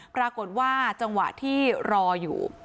ปรากฏว่าจังหวะที่รออยู่